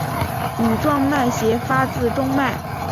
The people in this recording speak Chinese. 羽状脉斜发自中脉。